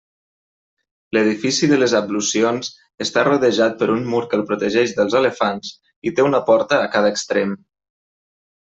L'edifici de les ablucions està rodejat per un mur que el protegeix dels elefants i té una porta a cada extrem.